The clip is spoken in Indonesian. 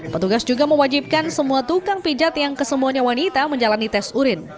petugas juga mewajibkan semua tukang pijat yang kesemuanya wanita menjalani tes urin